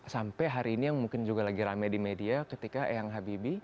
sampai hari ini yang mungkin juga lagi rame di media ketika eyang habibie